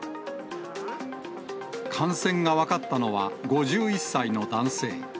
感染が分かったのは５１歳の男性。